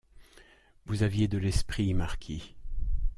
Vous aviez de l’esprit, marquis.